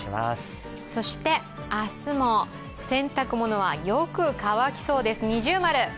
そして明日も洗濯物はよく乾きそうです。